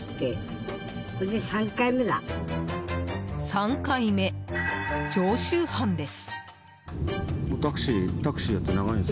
３回目、常習犯です。